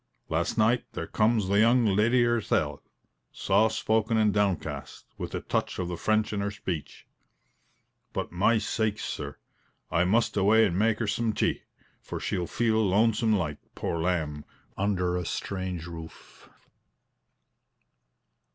Last night there comes the young leddy hersel' soft spoken and downcast, with a touch of the French in her speech. But my sakes, sir! I must away and mak' her some tea, for she'll feel lonesome like, poor lamb, when she wakes under a strange roof."